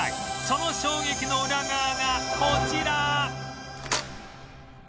その衝撃のウラ側がこちら！